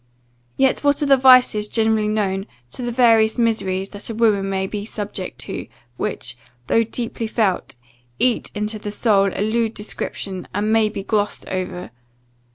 Yet what are the vices generally known, to the various miseries that a woman may be subject to, which, though deeply felt, eating into the soul, elude description, and may be glossed over!